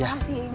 ya terima kasih